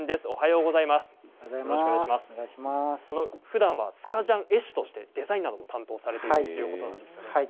ふだんはスカジャン絵師としてデザインなどを担当されているということなんですよね。